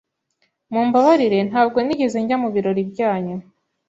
Mumbabarire ntabwo nigeze njya mubirori byanyu.